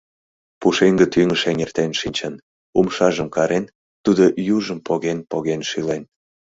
— Пушеҥге тӱҥыш эҥертен шинчын, умшажым карен, тудо южым поген-поген шӱлен.